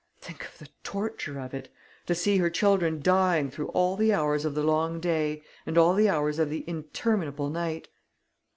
Think of the torture of it! To see her children dying through all the hours of the long day and all the hours of the interminable night!"